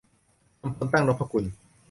อำพล ตั้งนพกุล